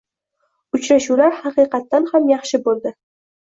Uchrashuvlar haqiqatdan ham yaxshi boʻldi